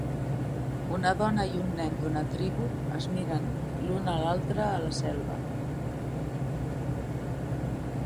Una dona i un nen d'una tribu es miren l'un a l'altre a la selva.